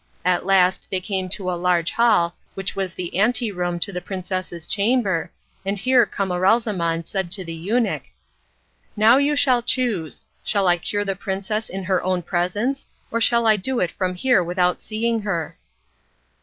At last they came to a large hall which was the ante room to the princess's chamber, and here Camaralzaman said to the eunuch: "Now you shall choose. Shall I cure the princess in her own presence, or shall I do it from here without seeing her?"